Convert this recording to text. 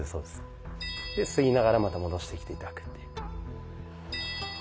で吸いながらまた戻してきて頂くっていう。